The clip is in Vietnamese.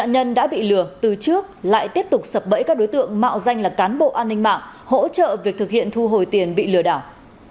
giật bẫy các đối tượng mạo danh là cán bộ an ninh mạng hỗ trợ việc thực hiện thu hồi tiền bị lừa đảo